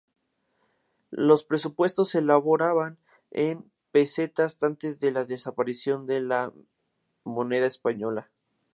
Los presupuestos se elaboraban en pesetas antes de la desaparición de la moneda española.